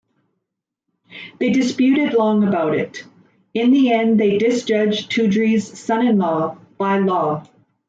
They disputed long about it; in the end they disjudge Tudri's "son-in-law" by law.